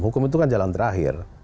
hukum itu kan jalan terakhir